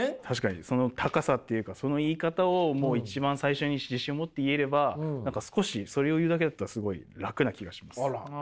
確かにその高さっていうかその言い方をもう一番最初に自信持って言えれば何か少しそれを言うだけだったらすごい楽な気がします。